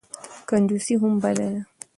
کنجوسي هم بده ده.